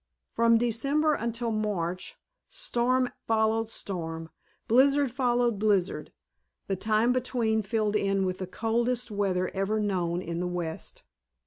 From December until March storm followed storm, blizzard followed blizzard, the time between filled in with the coldest weather ever known in the west.